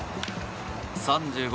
３５